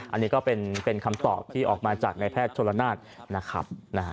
อันนี้ก็เป็นคำตอบที่ออกมาจากในแพทย์ชนละนานนะครับ